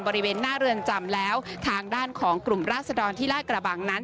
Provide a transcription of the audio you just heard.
บริเวณหน้าเรือนจำแล้วทางด้านของกลุ่มราศดรที่ลาดกระบังนั้น